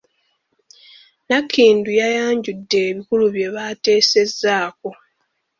Nankindu yayanjudde ebikulu bye baateesezzaako.